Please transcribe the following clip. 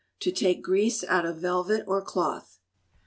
To take Grease out of Velvet or Cloth.